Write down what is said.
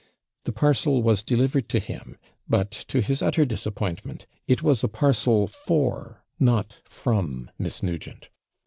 The parcel was delivered to him; but to his utter disappointment, it was a parcel FOR, not FROM Miss Nugent.